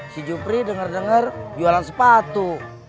si jupri denger denger jualan sepatu